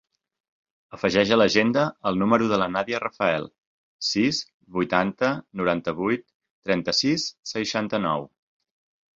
Afegeix a l'agenda el número de la Nàdia Rafael: sis, vuitanta, noranta-vuit, trenta-sis, seixanta-nou.